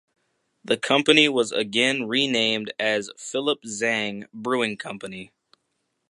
The company was again renamed as Philip Zang Brewing Company.